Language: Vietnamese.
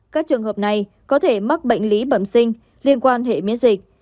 các trường hợp này có thể mắc bệnh lý bẩm sinh liên quan hệ miễn dịch